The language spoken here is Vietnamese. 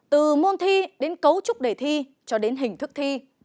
từ môn thi đến cấu trúc đề thi cho đến hình thức thi